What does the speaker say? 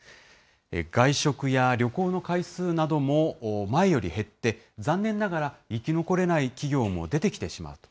外食や旅行の回数なども前より減って、残念ながら生き残れない企業も出てきてしまう。